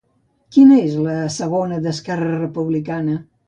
Qui és la segona d'Esquerra Republicana?